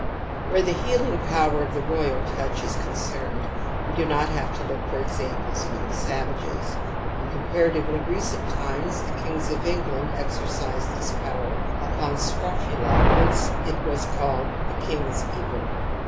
Where the healing power of the royal touch is concerned we do not have to look for examples among savages. In comparatively recent times the kings of England exercised this power upon scrofula, whence it was called ' The King's Evil